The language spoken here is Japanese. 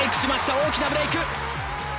大きなブレーク！